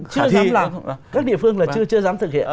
chưa dám các địa phương là chưa dám thực hiện